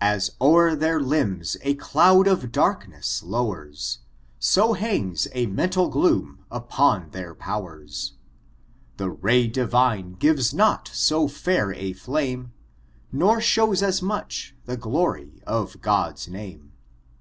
As o*er their lirabf a cload of darkneM lowen, So hangs a mental gloom upon their powers^ The ray Divine gives not to fair a flame. Nor shows at much the glory of God name.